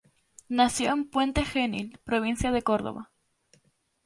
Nació en Puente Genil, provincia de Córdoba.